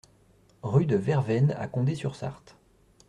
Rue de Vervaine à Condé-sur-Sarthe